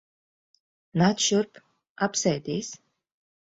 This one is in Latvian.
Nāc šurp. Apsēdies.